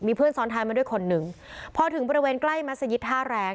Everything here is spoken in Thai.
เพื่อนซ้อนท้ายมาด้วยคนหนึ่งพอถึงบริเวณใกล้มัศยิตท่าแรง